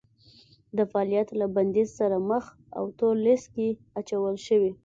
د فعالیت له بندیز سره مخ او تور لیست کې اچول شوي